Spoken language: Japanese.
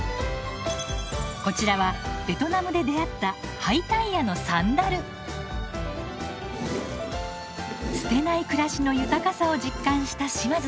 こちらはベトナムで出会った捨てない暮らしの豊かさを実感した島津さん。